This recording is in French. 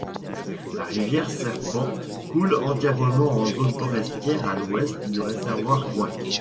La rivière Serpent coule entièrement en zone forestière, à l’Ouest du réservoir Gouin.